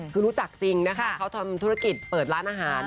คือรู้จักจริงนะคะเขาทำธุรกิจเปิดร้านอาหาร